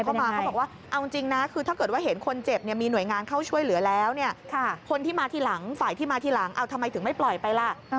เป็นอย่างไร